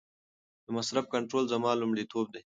د مصرف کنټرول زما لومړیتوب دی.